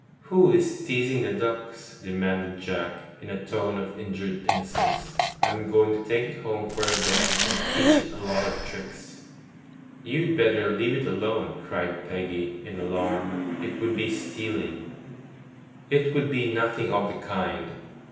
'Who is teasing the ducks?' demanded Jack, in a tone of injured innocence. 'I'm going to take it home for a bit, and teach it a lot of tricks.' 'You'd better leave it alone!' cried Peggy, in alarm; 'it would be stealing.' 'It would be nothing of the kind.